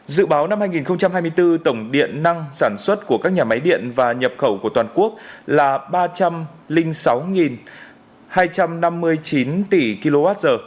dự báo năm hai nghìn hai mươi bốn tổng điện năng sản xuất của các nhà máy điện và nhập khẩu của toàn quốc là ba trăm linh sáu hai trăm năm mươi chín tỷ kwh